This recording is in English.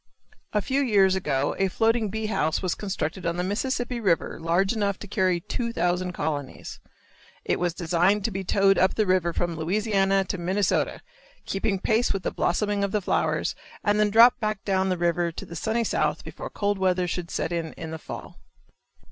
A few years ago a floating bee house was constructed on the Mississippi river large enough to carry two thousand colonies. It was designed to be towed up the river from Louisiana to Minnesota, keeping pace with the blossoming of the flowers and then drop back down the river to the sunny South before cold weather should set in in the fall.